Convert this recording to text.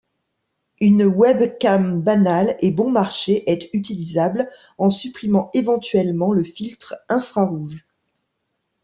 Une webcam banale et bon marché est utilisable, en supprimant éventuellement le filtre infrarouge.